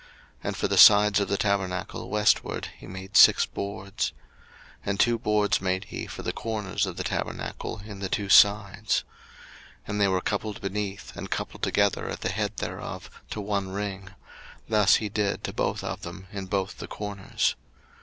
02:036:027 And for the sides of the tabernacle westward he made six boards. 02:036:028 And two boards made he for the corners of the tabernacle in the two sides. 02:036:029 And they were coupled beneath, and coupled together at the head thereof, to one ring: thus he did to both of them in both the corners.